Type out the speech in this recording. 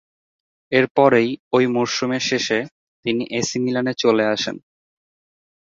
এরপরেই ওই মরসুমের শেষে তিনি এ সি মিলানে চলে আসেন।